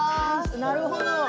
なるほど。